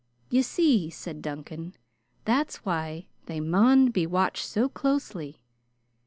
"Ye see," said Duncan, "that's why they maun be watched so closely.